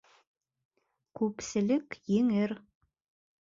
Күпселек еңер.